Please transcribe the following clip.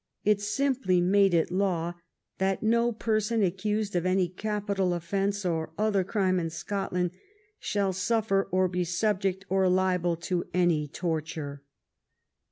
It simply made it law that "no person accused of any capital offence or other crime in Scot land, shall suffer or be subject or liable to any tort ure."